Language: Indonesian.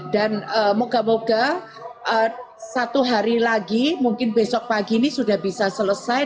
dan moga moga satu hari lagi mungkin besok pagi ini sudah bisa selesai